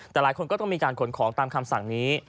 แต่หลายคนก็ต้องมีการขนของตามคำสั่งนี้